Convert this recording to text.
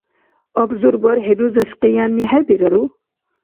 Абзур бархӀи рузес къиянни хӀебирару?